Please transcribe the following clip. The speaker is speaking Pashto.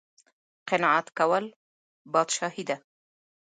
قناعت کول پادشاهي ده